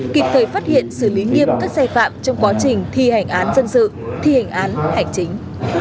kịp thời phát hiện xử lý nghiêm các sai phạm trong quá trình thi hành án dân sự thi hành án hành chính